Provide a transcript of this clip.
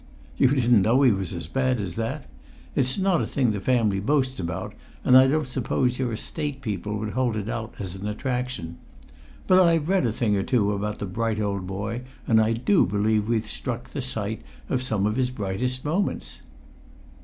You didn't know he was as bad as that? It's not a thing the family boasts about, and I don't suppose your Estate people would hold it out as an attraction. But I've read a thing or two about the bright old boy, and I do believe we've struck the site of some of his brightest moments!"